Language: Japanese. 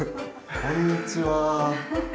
こんにちは。